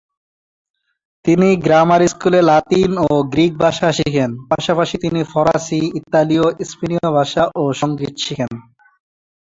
তিনি গ্রামার স্কুলে লাতিন ও গ্রিক ভাষা শিখেন, পাশাপাশি তিনি ফরাসি, ইতালীয়, স্পেনীয় ভাষা, ও সঙ্গীত শিখেন।